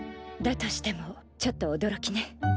だとしてもちょっと驚きね。